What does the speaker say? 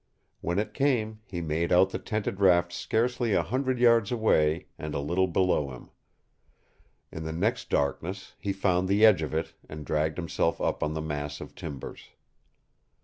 When it came, he made out the tented raft scarcely a hundred yards away and a little below him. In the next darkness he found the edge of it and dragged himself up on the mass of timbers.